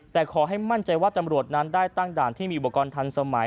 แต่ขอให้มั่นใจว่าตำรวจนั้นได้ตั้งด่านที่มีอุปกรณ์ทันสมัย